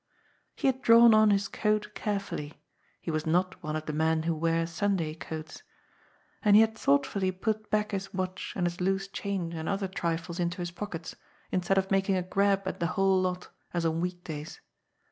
He had drawn on his coat carefully — ^he was not one of the men who wear Sunday coats. And he had thoughtfully 198 GOD'S FOOL. put back his watch and his loose change and other trifles into his pockets, instead of making a grab at the whole lot, as on week days.